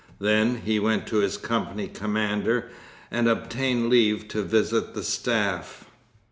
Then he went to his company commander and obtained leave to visit the staff.